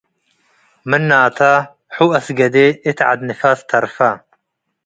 ምናተ፡ ሑ አስገዴ እት ዐድ ንፋስ ተርፈ ።